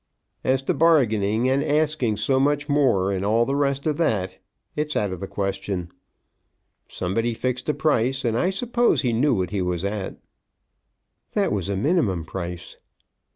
"As to bargaining, and asking so much more, and all the rest of it, that's out of the question. Somebody fixed a price, and I suppose he knew what he was at." "That was a minimum price."